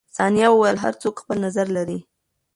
ثانیه وویل، هر څوک خپل نظر لري.